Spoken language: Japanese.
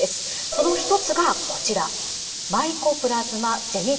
その一つがこちらマイコプラズマ・ジェニ